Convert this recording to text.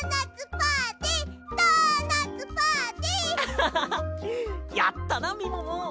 アハハハやったなみもも。